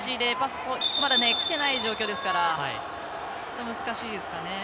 ここまできていない状況ですから難しいですかね。